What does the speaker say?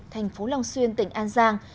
thành phố long xuyên tỉnh an giang